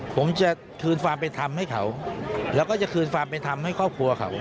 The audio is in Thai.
ผมจะคืนความเป็นธรรมให้เขาแล้วก็จะคืนความเป็นธรรมให้ครอบครัวเขา